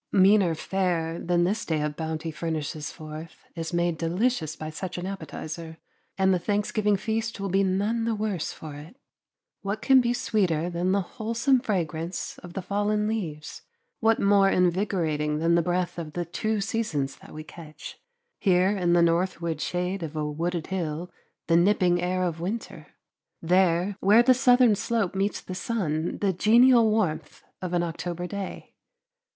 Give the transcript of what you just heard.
Meaner fare than this day of bounty furnishes forth is made delicious by such an appetizer, and the Thanksgiving feast will be none the worse for it. What can be sweeter than the wholesome fragrance of the fallen leaves? What more invigorating than the breath of the two seasons that we catch: here in the northward shade of a wooded hill the nipping air of winter, there where the southern slope meets the sun the genial warmth of an October day.